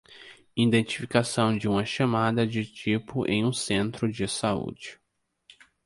Identificação de uma chamada de tipo em um centro de saúde.